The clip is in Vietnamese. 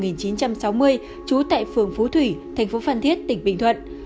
trú tại phường phú thủy thành phố phan thiết tỉnh bình thuận